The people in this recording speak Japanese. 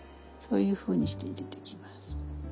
そういうふうにして入れてきます。